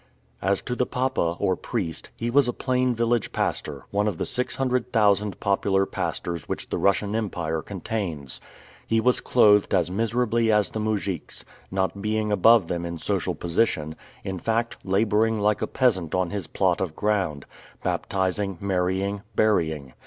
As to the papa, or priest, he was a plain village pastor, one of the six hundred thousand popular pastors which the Russian Empire contains. He was clothed as miserably as the moujiks, not being above them in social position; in fact, laboring like a peasant on his plot of ground; baptising, marrying, burying.